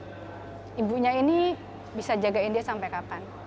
karena nggak pernah tahu ibunya ini bisa jagain dia sampai kapan